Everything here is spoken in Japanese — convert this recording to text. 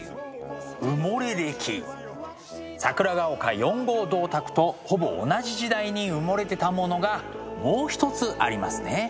埋もれ歴！桜ヶ丘４号銅鐸とほぼ同じ時代に埋もれてたものがもう一つありますね。